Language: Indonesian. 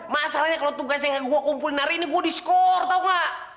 masalahnya kalau tugas yang gue kumpulin hari ini gue diskor tau gak